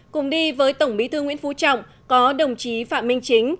cùng đi với tổng bí thư nguyễn phú trọng có đồng chí phạm minh chính